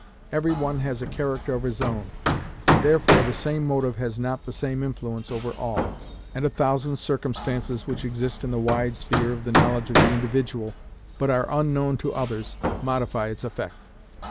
Every one has a character of his own; and therefore the same motive has not the same influence over all, and a thousand circumstances which exist in the wide sphere of the knowledge of the individual, but are unknown to others, modify its effect.